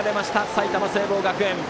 埼玉、聖望学園。